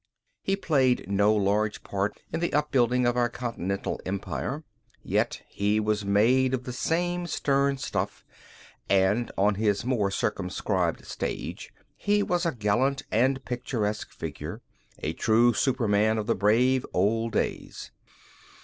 He played no large part in the upbuilding of our Continental Empire. Yet he was made of the same stern stuff, and, on his more circumscribed stage, he was a gallant and picturesque figure, a true superman of the brave old days.